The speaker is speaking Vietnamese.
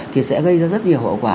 thì sẽ gây ra rất nhiều hậu quả